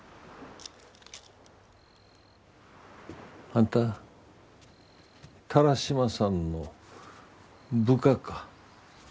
あんた田良島さんの部下か。